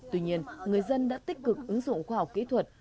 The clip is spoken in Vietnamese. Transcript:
tuy nhiên người dân đã tích cực ứng dụng khoa học kỹ thuật